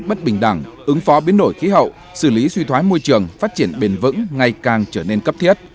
bất bình đẳng ứng phó biến đổi khí hậu xử lý suy thoái môi trường phát triển bền vững ngày càng trở nên cấp thiết